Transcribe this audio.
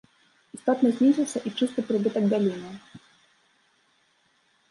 Істотна знізіўся і чысты прыбытак галіны.